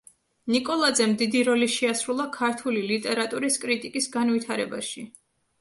ნიკოლაძემ დიდი როლი შეასრულა ქართული ლიტერატურის კრიტიკის განვითარებაში.